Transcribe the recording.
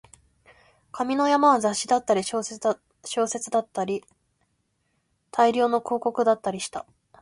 紙の山は雑誌だったり、小説だったり、新聞だったり、大量の広告だったりした